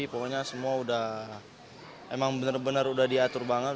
pokoknya semua udah emang bener bener udah diatur banget